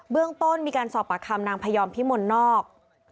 เรื่องต้นมีการสอบปากคำนางพยอมพิมลนอก